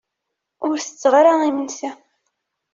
Ur tetteɣ ara imensi.